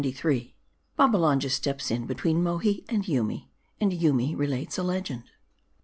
v .*:: BABBALANJA STEPS IN BETWEEN MOHI AND YOOMY ; AND YOOMY RELATES A LEGEND.